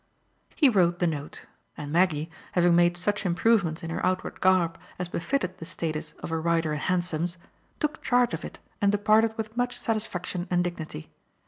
He wrote the note; and Maggie, having made such improvements in her outward garb as befitted the status of a rider in hansoms, took charge of it and departed with much satisfaction and dignity.